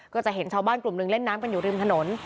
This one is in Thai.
ก็จะเห็นชาวบ้านกลุ่มหนึ่งเล่นน้ำกันอยู่ริมถนน